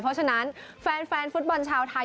เพราะฉะนั้นแฟนฟุตบอลชาวไทย